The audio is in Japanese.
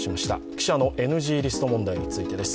記者のＮＧリスト問題についてです。